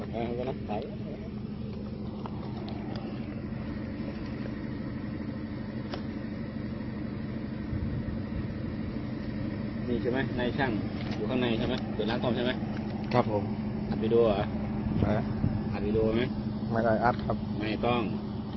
ใช่ไหมนายช่างอยู่ข้างในใช่ไหมเกิดร้านต้มใช่ไหมครับผมอัดวีดีโอเหรออ่าอัดวีดีโอไหมไม่ได้อัดครับไม่ต้อง